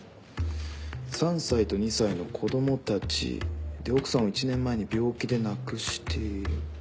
３歳と２歳の子供たち。で奥さんを１年前に病気で亡くしている。